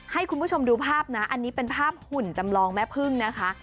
ให้คุณผู้ชมดูภาพนะอันนี้เป็นภาพหุ่นจำลองแม่พึ่งนะคะ